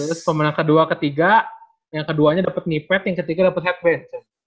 terus pemenang kedua ketiga yang keduanya dapet nipet yang ketiga dapet headband